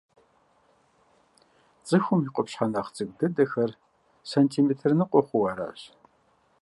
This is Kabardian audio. Цӏыхум и къупщхьэ нэхъ цӏыкӏу дыдэхэр сантиметр ныкъуэ хъууэ аращ.